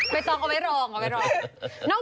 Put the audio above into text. ใบตองก็ไม่รอง